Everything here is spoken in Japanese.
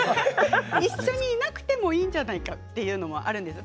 一緒にいなくてもいいんじゃないかというのもありますね。